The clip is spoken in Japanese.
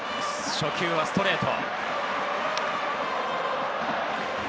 初球はストレート。